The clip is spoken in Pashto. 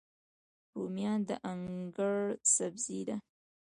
رومیان د انګړ سبزي ده